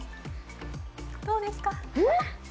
どうですか？